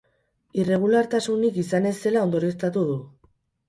Irregulartasunik izan ez zela ondorioztatu du.